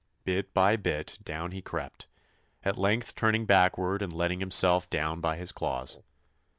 Bit by bit down he crept, at length turning backward and letting himself down by his claws.